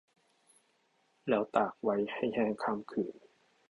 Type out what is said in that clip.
แล้วตากไว้ให้แห้งข้ามคืน